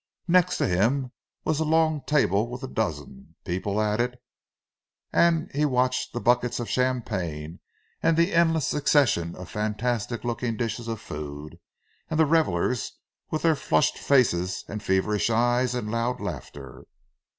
Next to him was a long table with a dozen, people at it; and he watched the buckets of champagne and the endless succession of fantastic looking dishes of food, and the revellers, with their flushed faces and feverish eyes and loud laughter.